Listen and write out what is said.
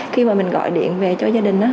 khi mà mình gọi điện về cho gia đình